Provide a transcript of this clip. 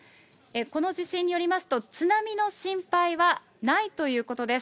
この地震によりますと、津波の心配はないということです。